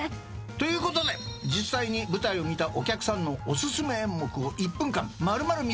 ということで実際に舞台を見たお客さんのお薦め演目を１分間丸々見せちゃう。